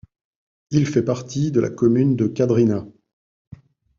Il fait partie de la commune de Kadrina.